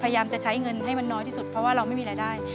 พยายามจะใช้เงินให้มันน้อยที่สุดเพราะว่าเราไม่มีรายได้